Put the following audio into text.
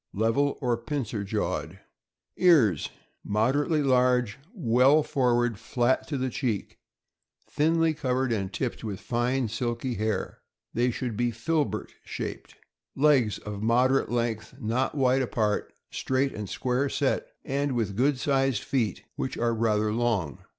— Level, or pincer jawed. 400 THE AMERICAN BOOK OF THE DOG. Ears. — Moderately large, well forward, flat to the cheek, thinly covered, and tipped with fine, silky hair. They should be filbert shaped. Legs. — Of moderate length, not wide apart, straight and square set, and with good sized feet, which are rather long.